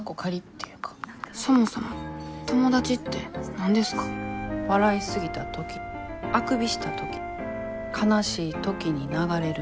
そもそも友達って何ですか笑い過ぎた時あくびした時悲しい時に流れる涙。